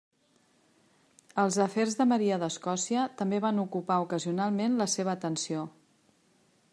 Els afers de Maria d'Escòcia també van ocupar ocasionalment la seva atenció.